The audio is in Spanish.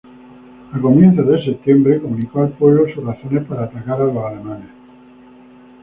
A comienzos de septiembre, comunicó al pueblo sus razones para atacar a los alemanes.